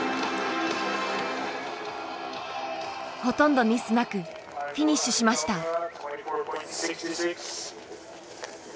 ほとんどミスなくフィニッシュしました。